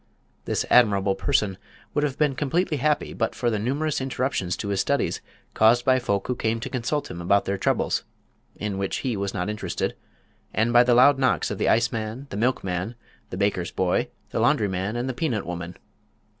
This admirable person would have been completely happy but for the numerous interruptions to his studies caused by folk who came to consult him about their troubles (in which he was not interested), and by the loud knocks of the iceman, the milkman, the baker's boy, the laundryman and the peanut woman.